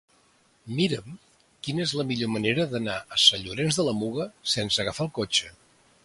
Mira'm quina és la millor manera d'anar a Sant Llorenç de la Muga sense agafar el cotxe.